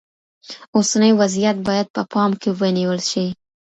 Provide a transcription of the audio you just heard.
اوسنی وضعیت باید په پام کې ونیول شي.